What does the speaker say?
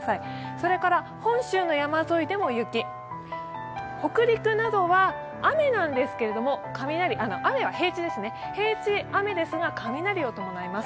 それから本州の山沿いでも雪、北陸などは雨なんですけれども、雨は平地、雨ですが雷を伴います。